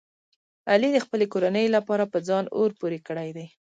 علي د خپلې کورنۍ لپاره په ځان اور پورې کړی دی.